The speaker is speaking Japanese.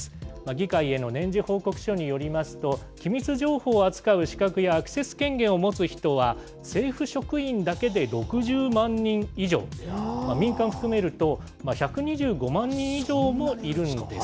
議会への年次報告書によりますと、機密情報を扱う資格や、アクセス権限を持つ人は政府職員だけで６０万人以上、民間を含めると１２５万人以上もいるんです。